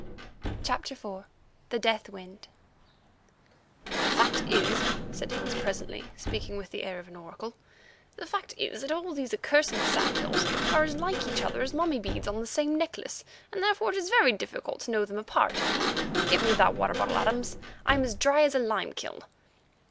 CHAPTER IV. THE DEATH WIND "The fact is," said Higgs presently, speaking with the air of an oracle, "the fact is that all these accursed sand hills are as like each other as mummy beads on the same necklace, and therefore it is very difficult to know them apart. Give me that water bottle, Adams; I am as dry as a lime kiln."